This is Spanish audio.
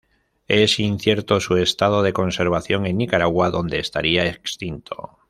Es incierto su estado de conservación en Nicaragua, donde estaría extinto.